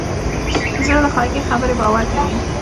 زړه د خوږې خبرې باور کوي.